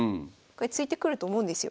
突いてくると思うんですよ。